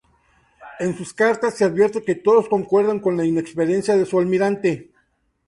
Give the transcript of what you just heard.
En sus cartas se advierte que todos concuerdan en la inexperiencia de su almirante.